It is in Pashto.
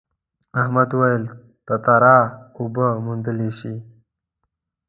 احمد وویل تتارا اوبه موندلی شي.